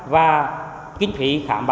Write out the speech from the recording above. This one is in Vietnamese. và kinh khủy khám báo